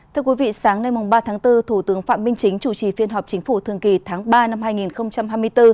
thưa quý vị sáng nay ba tháng bốn thủ tướng phạm minh chính chủ trì phiên họp chính phủ thường kỳ tháng ba năm hai nghìn hai mươi bốn